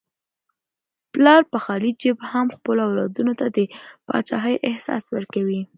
پلار په خالي جیب هم خپلو اولادونو ته د پاچاهۍ احساس ورکوي.